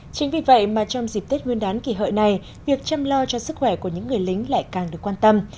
chính vì vậy mà trong dịp tết nguyên đán kỷ hợi này việc chăm lo cho sức khỏe của những người lính lại càng được quan tâm